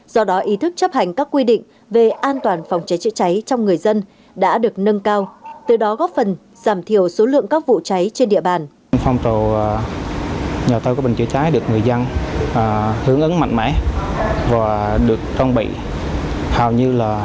do đó ý thức chấp hành các quy định về an toàn phòng cháy chữa cháy trong người dân đã được nâng cao từ đó góp phần giảm thiểu số lượng các vụ cháy trên địa bàn